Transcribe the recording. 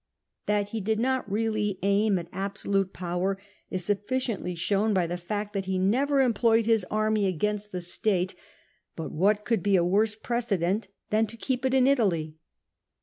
That he did not really aim at absolute power is sufficiently shown by the fact that he never employed his army against the state ; but what could be a worse precedent than to keep it in Italy